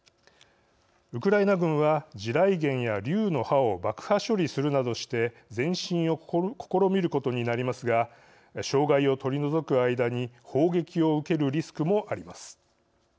ウクライナ軍は地雷原や竜の歯を爆破処理するなどして前進を試みることになりますが障害を取り除く間に砲撃を受けるリスクもあります。